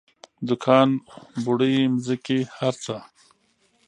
دوکان بوړۍ ځمکې هر څه.